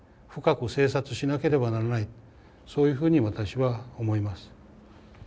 深く省察しなければならないそういうふうに私は思います。